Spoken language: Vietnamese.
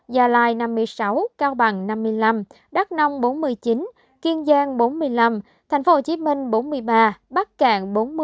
gia lai năm mươi sáu cao bằng năm mươi năm đắk nông bốn mươi chín kiên giang bốn mươi năm tp hcm bốn mươi ba bắc cạn bốn mươi